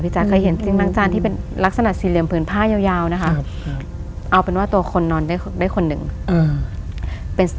เคยเห็นเตียงล้างจานที่เป็นลักษณะสี่เหลี่ยมผืนผ้ายาวนะคะเอาเป็นว่าตัวคนนอนได้คนหนึ่งเป็น